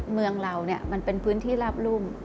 เมืองเราเนี่ยมันเป็นพื้นที่ราบรุ่ม